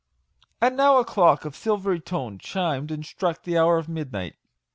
And now a clock of silvery tone chimed and struck the hour of midnight.